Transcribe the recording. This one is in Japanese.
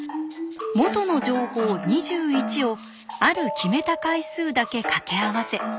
元の情報２１をある決めた回数だけかけ合わせ